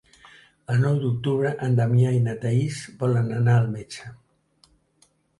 El nou d'octubre en Damià i na Thaís volen anar al metge.